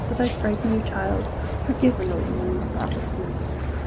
Did I frighten you, child? Forgive an old woman's thoughtlessness.